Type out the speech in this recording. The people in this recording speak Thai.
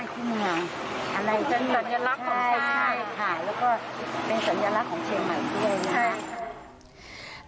แล้วก็เป็นสัญลักษณ์ของเชียงใหม่ด้วยนะคะ